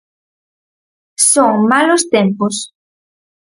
Son malos tempos.